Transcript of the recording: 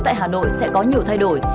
tại hà nội sẽ có nhiều thay đổi